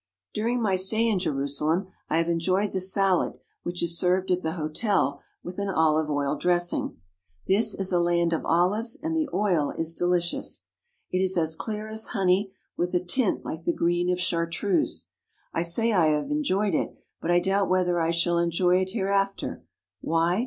During my stay in Jerusalem I have enjoyed the salad which is served at the hotel with an olive oil dressing. This is a land of olives and the oil is delicious. It is as clear as honey with a tint like the green of chartreuse. I say I have enjoyed it, but I doubt whether I shall en joy it hereafter. Why?